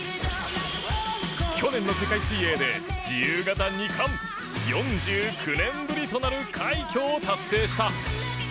去年の世界水泳で自由形２冠４９年ぶりとなる快挙を達成した。